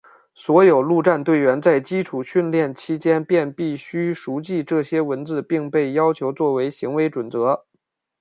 所有陆战队员在基础训练期间便必须熟记这些文字并被要求作为行为准则。